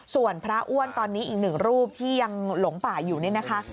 ส่วนพระอ้วนตอนนี้อีกหนึ่งรูปที่ยังหลงป่าอยู่นี่นะคะ